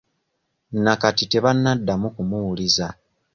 Nakati tebannaddamu kumuwuliza.